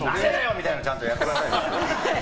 みたいなちゃんとやってくださいね。